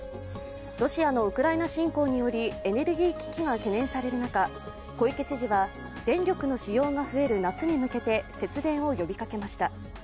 ロシアのウクライナ侵攻をによりエネルギー危機が懸念される中小池知事は、電力の使用が増える夏に向けて節電を呼びかけました。